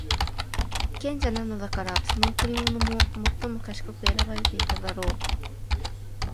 賢者なのだから、その贈り物も最も賢く選ばていただろう。